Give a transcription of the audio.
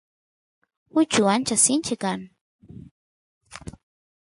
uchu ancha sinchi kan